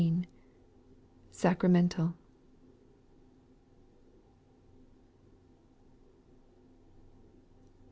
(sacramental.)